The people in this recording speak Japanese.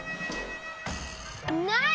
ない！